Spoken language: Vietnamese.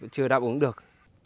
chưa đáp ứng được